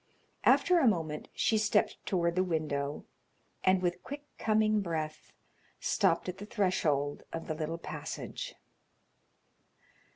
After a moment she stepped toward the window, and, with quick coming breath, stopped at the threshold of the little passage.